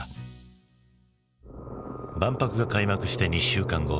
万博が開幕して２週間後。